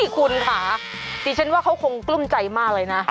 คุณค่ะดิฉันว่าเขาคงกลุ้มใจมากเลยนะ